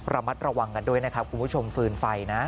ระมัดระวังกันด้วยนะครับคุณผู้ชมฟืนไฟนะ